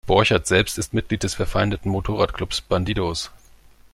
Borchert selbst ist Mitglied des verfeindeten Motorradclubs Bandidos.